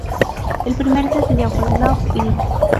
El primer sencillo fue "Love Is".